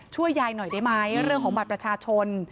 ช่วยยายหน่อยได้ไหมเรื่องของบัตรประชาชน